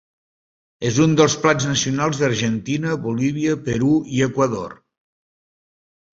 És un dels plats nacionals d'Argentina, Bolívia, Perú i Equador.